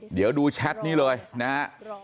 เดี๋ยวดูแชทนี้เลยนะฮะ